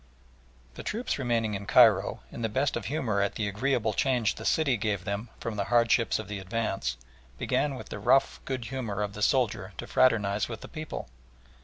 The troops remaining in Cairo, in the best of humour at the agreeable change the city gave them from the hardships of the advance, began with the rough good humour of the soldier to fraternise with the people.